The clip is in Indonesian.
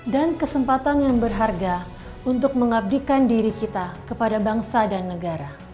dan kesempatan yang berharga untuk mengabdikan diri kita kepada bangsa dan negara